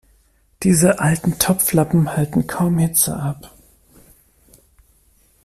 Diese alten Topflappen halten kaum Hitze ab.